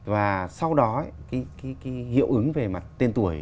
và sau đó cái hiệu ứng về mặt tên tuổi